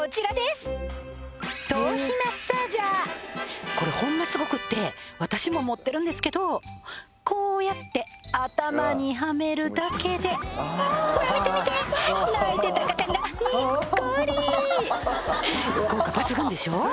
すごくって私も持ってるんですけどこうやって頭にはめるだけでほら見て見て泣いてた赤ちゃんがニッコリ効果抜群でしょ！